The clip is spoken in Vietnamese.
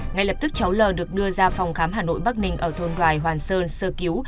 ngay lập tức cháu l được đưa ra phòng khám hà nội bắc ninh ở thôn đoài hoàn sơn sơ cứu